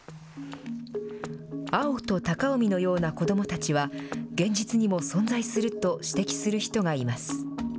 碧と貴臣のような子どもたちは、現実にも存在すると指摘する人がいます。